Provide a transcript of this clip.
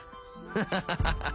ハハハハハッ！